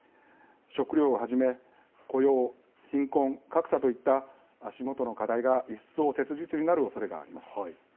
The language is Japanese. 食糧をはじめ雇用、貧困、格差といった足元の課題が一層切実になるおそれがあります。